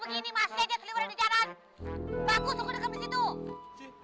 bagus lo kena deket di situ